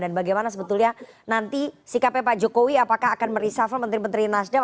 dan bagaimana sebetulnya nanti sikapnya pak jokowi apakah akan merisafah menteri menteri nasdem